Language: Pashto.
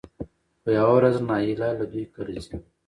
خو يوه ورځ نايله له دوی کره ځي